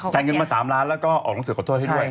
เงินมา๓ล้านแล้วก็ออกหนังสือขอโทษให้ด้วย